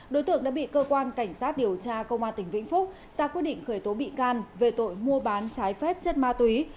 đối tượng đã bị cơ quan cảnh sát điều tra công an tỉnh vĩnh phúc ra quyết định khởi tố bị can về tội mua bán trái phép chất ma túy